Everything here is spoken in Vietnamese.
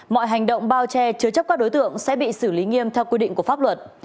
mọi hành động bao che chứa chấp các đối tượng sẽ bị xử lý nghiêm theo quy định của pháp luật